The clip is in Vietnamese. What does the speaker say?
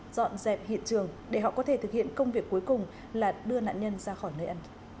dọn dẹp hiện trường để họ có thể thực hiện công việc cuối cùng là đưa nạn nhân ra khỏi nơi ẩn